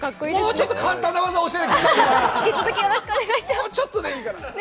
もうちょっとでいいから！